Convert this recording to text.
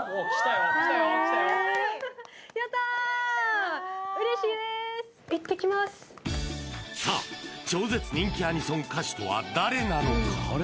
さあ超絶人気アニソン歌手とは誰なのか？